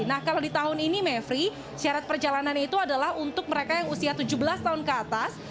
nah kalau di tahun ini mevri syarat perjalanan itu adalah untuk mereka yang usia tujuh belas tahun ke atas